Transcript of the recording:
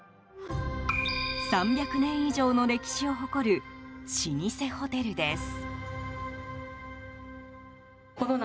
３００年以上の歴史を誇る老舗ホテルです。